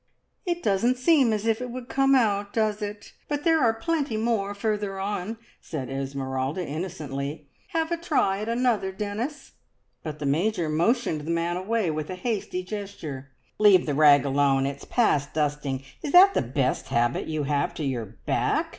"It doesn't seem as if it would come out, does it? but there are plenty more further on," said Esmeralda innocently. "Have a try at another, Dennis!" but the Major motioned the man away with a hasty gesture. "Leave the rag alone it's past dusting! Is that the best habit you have to your back?"